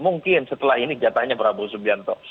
mungkin setelah ini jatahnya prabowo subianto